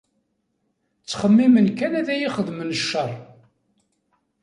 Ttxemmimen kan ad iyi-xedmen ccer.